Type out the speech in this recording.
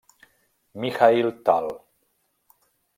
Mikhaïl Tal.